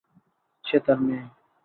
সে তার মেয়ে।